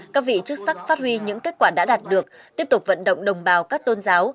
các vị chức sắc phát huy những kết quả đã đạt được tiếp tục vận động đồng bào các tôn giáo